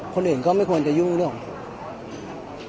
คนอื่นก็ไม่ควรจะยุ่งเรื่องของ